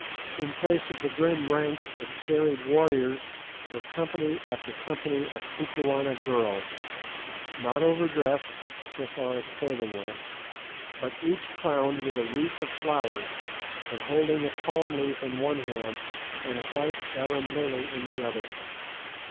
In place of the grim ranks of serried warriors were company after company of Kukuana girls, not over dressed, so far as clothing went, but each crowned with a wreath of flowers, and holding a palm leaf in one hand and a white arum lily in the other.